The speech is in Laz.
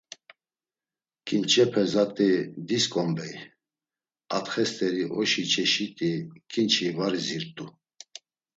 Ǩinçepe zat̆i disǩombey, atxe st̆eri oşi çeşit̆i ǩinçi var izirt̆u.